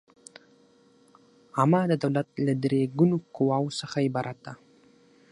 عامه د دولت له درې ګونو قواوو څخه عبارت ده.